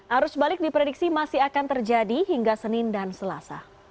arus balik diprediksi masih akan terjadi hingga senin dan selasa